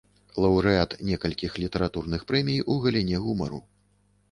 Лаўрэат некалькіх літаратурных прэмій у галіне гумару.